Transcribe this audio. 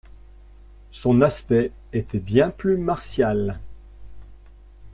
Son aspect était bien plus martial.